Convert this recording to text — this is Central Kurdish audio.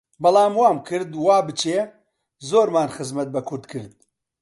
بەڵام وامان کرد، وا بچێ، زۆرمان خزمەت بە کورد کرد